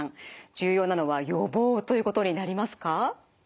重要なのは予防ということになりますか？